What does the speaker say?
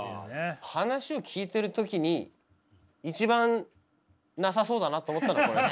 話を聞いてる時に一番なさそうだなと思ったのはこれ。